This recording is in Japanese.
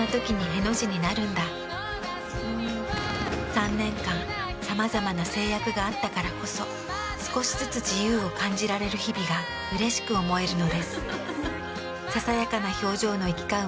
３年間さまざまな制約があったからこそ少しずつ自由を感じられる日々がうれしく思えるのです。